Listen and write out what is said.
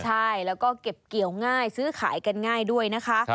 ใช่แล้วก็เก็บเกี่ยวง่ายซื้อขายกันง่ายด้วยนะคะ